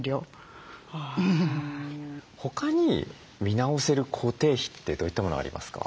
他に見直せる固定費ってどういったものがありますか？